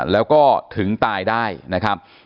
แล้วก็ถึงตายได้นะครับ